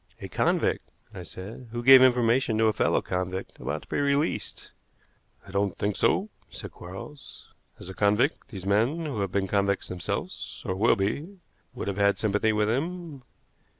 "A convict," I said, "who gave information to a fellow convict about to be released." "I don't think so," said Quarles. "As a convict, these men, who have been convicts themselves, or will be, would have had sympathy with him.